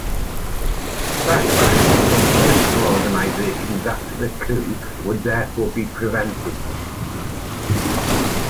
Backlash from political organizations after the coup would therefore be prevented.